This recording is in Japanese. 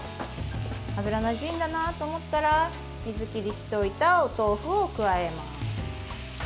油がなじんだなと思ったら水切りしておいたお豆腐を加えます。